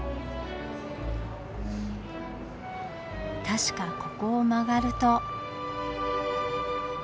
確かここを曲がると。